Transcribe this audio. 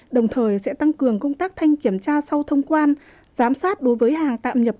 đồng thời sẽ tăng cường công tác thanh kiểm tra sau thông quan giám sát đối với hàng tạm nhập